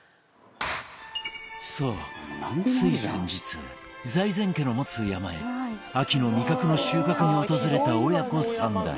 そうつい先日財前家の持つ山へ秋の味覚の収穫に訪れた親子三代